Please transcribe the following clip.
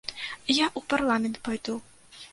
Я ў парламент пайду.